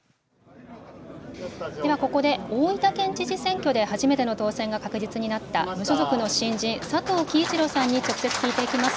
ではここで、大分県知事選挙で、初めての当選が確実になりました無所属の新人、佐藤樹一郎さんに直接聞いていきます。